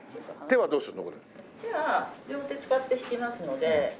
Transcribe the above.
手は両手使って弾きますので。